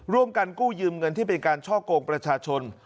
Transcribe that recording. ร่วมกันกู้ยืมเงินที่เป็นการช่อกงประชาชน